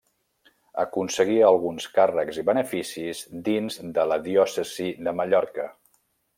Aconseguí alguns càrrecs i beneficis dins de la diòcesi de Mallorca.